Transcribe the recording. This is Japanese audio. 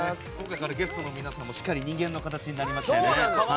今回からゲストの皆さんもしっかり人間の形になりました。